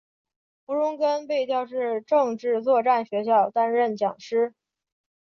吴荣根被调至政治作战学校担任讲师。